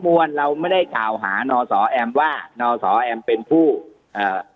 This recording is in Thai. มวลเราไม่ได้กล่าวหานอสอแอมว่านอสอแอมเป็นผู้เอ่อ